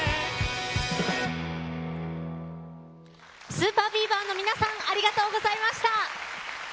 ＳＵＰＥＲＢＥＡＶＥＲ の皆さんありがとうございました。